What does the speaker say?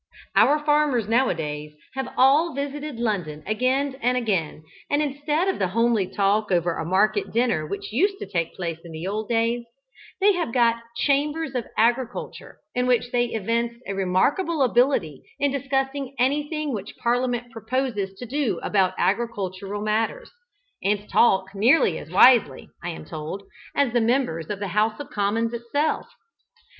Our farmers, now a days, have all visited London again and again, and instead of the homely talk over a market dinner which used to take place in old days, they have got "Chambers of Agriculture," in which they evince a remarkable ability in discussing anything which Parliament proposes to do about agricultural matters, and talk nearly as wisely, I am told, as the members of the House of Commons itself!